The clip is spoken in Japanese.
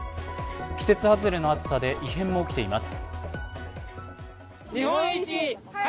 季節外れの暑さで異変も起きています。